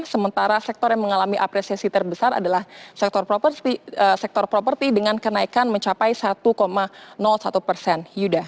sementara sektor yang mengalami apresiasi terbesar adalah sektor properti dengan kenaikan mencapai satu satu persen